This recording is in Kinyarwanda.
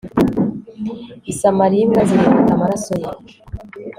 i samariya imbwa zirigata amaraso ye